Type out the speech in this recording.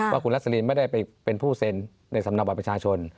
ว่าคุณรัสลินไม่ได้ไปเป็นผู้เซ็นในสำหรับบัตรประชาชน